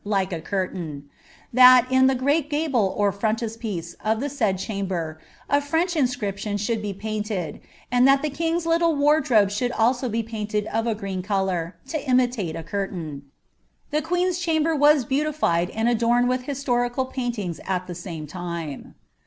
like a curtain : that, in the great gable or frontispiece of the s&id e)am< ber, a French inscription should be painted, and that the king'* liitle wardrobe should also be painted of a green colour, to imitate & cttrtMO." The <iueen'3 chamber was beaotilied and adorned with historical pui^ ings at the same time.